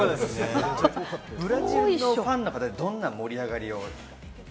ブラジルのファンの方って、どんな盛り上がりを？